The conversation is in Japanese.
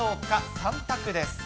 ３択です。